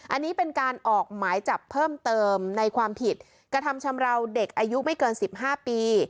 อันนี้เป็นการออกหมายจับเพิ่มเติมในความผิดกระทำชำราวเด็กอายุไม่เกิน๑๕ปี